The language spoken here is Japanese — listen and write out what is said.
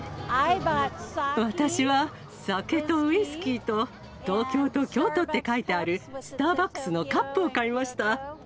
私は酒とウイスキーと、東京と京都って書いてある、スターバックスのカップを買いました。